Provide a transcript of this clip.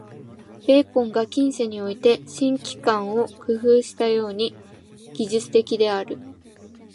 ベーコンが近世において「新機関」を工夫したように、技術的である。